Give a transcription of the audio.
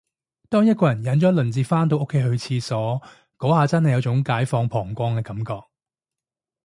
當一個人忍咗一輪至返到屋企去廁所，嗰下真係有種解放膀胱嘅感覺